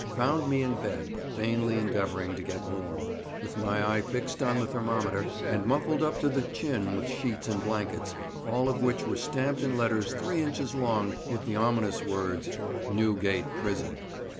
found me in bed, vainly endeavouring to get warm, with my eye fixed on the thermometer, and muffled up to the chin with sheets and blankets, all of which were stamped in letters three inches long with the ominous words "NEWGATE PRISON."